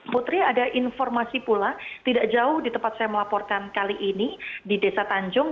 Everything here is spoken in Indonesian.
putri ada informasi pula tidak jauh di tempat saya melaporkan kali ini di desa tanjung